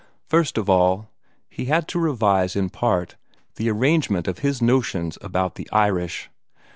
First of all, he had to revise in part the arrangement of his notions about the Irish.